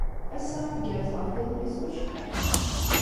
Assa i tgerrez ɣef yiḍelli s wacḥal.